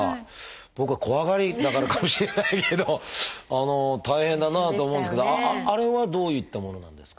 僕が怖がりだからかもしれないけど大変だなあと思うんですけどあれはどういったものなんですか？